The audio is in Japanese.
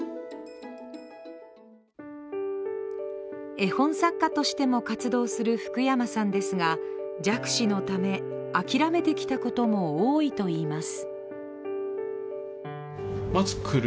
絵本作家としても活動する福山さんですが弱視のため諦めてきたことも多いといいます。